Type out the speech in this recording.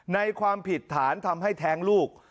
ความผิดฐานทำให้แท้งลูก